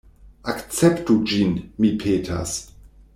Akceptu ĝin, mi petas!